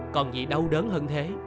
còn gì đau đớn hơn thế